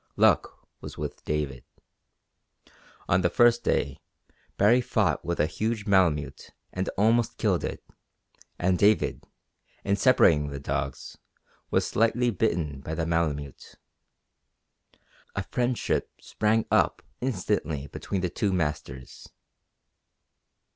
Luck was with David. On the first day Baree fought with a huge malemute and almost killed it, and David, in separating the dogs, was slightly bitten by the malemute. A friendship sprang up instantly between the two masters.